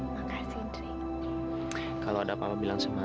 makasih ndre kalau ada apa bilang sama aku ya